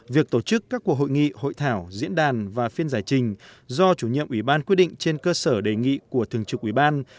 việc tổ chức các cuộc hội nghị hội thảo diễn đàn và phiên giải trình do chủ nhiệm ủy ban quyết định trên cơ sở đề nghị của thường trực ủy ban